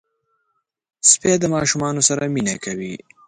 سپي د ماشومانو سره مینه کوي.